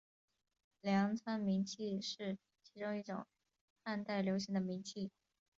粮仓明器是其中一种汉代流行的明器。